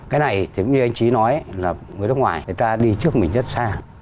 cái này thì cũng như anh trí nói người nước ngoài người ta đi trước mình rất xa